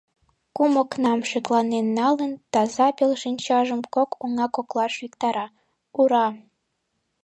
Кум окнам шекланен налын, таза пел шинчажым кок оҥа коклаш виктара: «Ура-а-а!